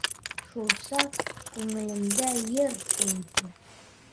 Шул саҡ күңелемдә йыр тыуҙы: